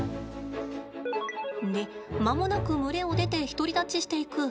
で、間もなく群れを出て独り立ちしていく。